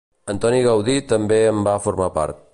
Antoni Gaudí també en va formar part.